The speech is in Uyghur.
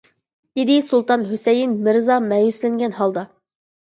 -دېدى سۇلتان ھۈسەيىن مىرزا مەيۈسلەنگەن ھالدا.